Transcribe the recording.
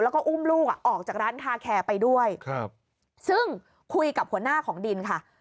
แล้วก็อุ้มลูกอ่ะออกจากร้านคาแคร์ไปด้วยครับซึ่งคุยกับหัวหน้าของดินค่ะ